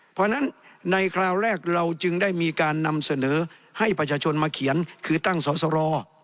เพราะฉะนั้นในคราวแรกเราจึงได้มีการนำเสนอให้ประชาชนมาเขียนคือตั้งสอสร